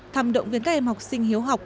tham động với các em học sinh hiếu học